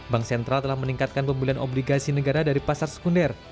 bank sentral telah meningkatkan pembelian obligasi negara dari pasar sekunder